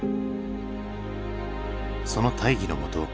その大義のもと